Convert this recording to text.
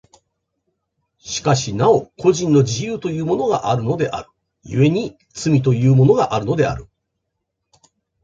しかしなお個人の自由というものがあるのである、故に罪というものがあるのである。